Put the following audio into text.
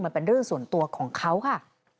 มันเป็นเรื่องส่วนตัวของเขาค่ะ